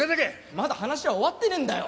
まだ話は終わってねえんだよ！